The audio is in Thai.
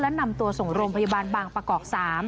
และนำตัวส่งโรงพยาบาลบางประกอบ๓